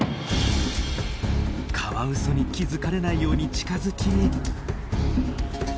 カワウソに気付かれないように近づき。